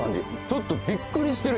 ちょっとびっくりしてる